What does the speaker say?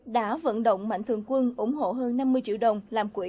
đã vận động mạnh thường quân ủng hộ hơn năm mươi triệu đồng làm quỹ